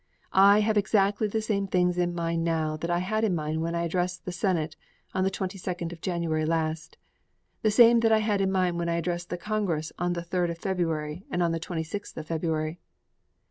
I have exactly the same things in mind now that I had in mind when I addressed the Senate on the 22d of January last; the same that I had in mind when I addressed the Congress on the 3d of February and on the 26th of February.